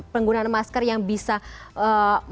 penggunaan masker yang katanya kalau di tempat sinetron ya gitu